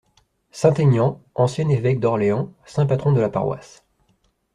Saint-Aignan, ancien évêque d'Orléans, saint patron de la paroisse.